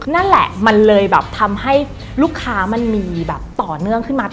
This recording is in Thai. นั่นแหละมันเลยแบบทำให้ลูกค้ามันมีแบบต่อเนื่องขึ้นมา